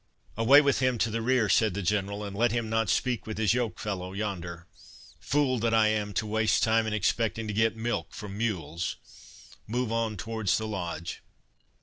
"Away with him to the rear," said the General; "and let him not speak with his yoke fellow yonder—Fool that I am, to waste time in expecting to get milk from mules.—Move on towards the Lodge."